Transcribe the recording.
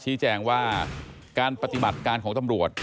ชี้แจงว่าการปฏิบัติการของตำรวจ